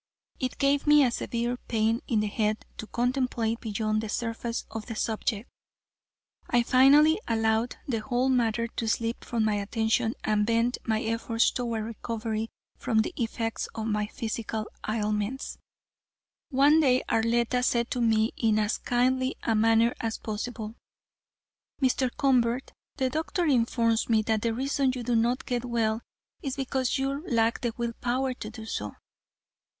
It gave me a severe pain in the head to contemplate beyond the surface of the subject, and I finally allowed the whole matter to slip from my attention and bent my efforts toward recovery from the effects of my physical ailments. One day Arletta said to me in as kindly a manner as possible: "Mr. Convert, the doctor informs me that the reason you do not get well is because you lack the will power to do so."